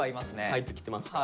入ってきてますか。